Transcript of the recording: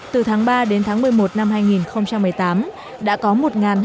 từ tháng ba đến tháng một mươi một năm hai nghìn một mươi tám đã có một hai trăm hai mươi ba lượt cá